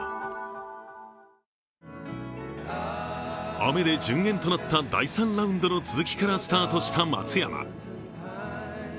雨で順延となった第３ラウンドの続きからスタートした松山。